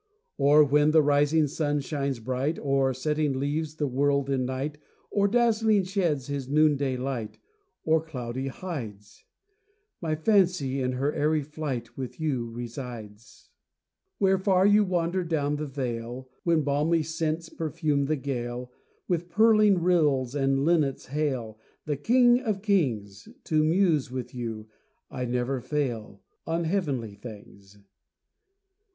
Or, when the rising sun shines bright, Or, setting, leaves the world in night, Or, dazzling, sheds his noon day light, Or, cloudy, hides, My fancy, in her airy flight, With you resides. Where far you wander down the vale, When balmy scents perfume the gale, And purling rills and linnets hail The King of kings, To muse with you I never fail, On heavenly things.